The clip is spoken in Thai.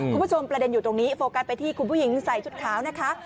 คุณผู้ชมประเด็นอยู่ตรงนี้โฟกัสไปที่คุณผู้หญิงใส่ชุดขาวนะคะ